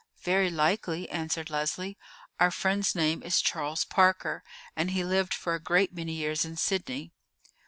"Very likely," answered Leslie. "Our friend's name is Charles Parker, and he lived for a great many years in Sydney."